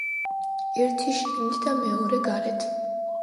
ერთი შიგნით და მეორე გარეთ.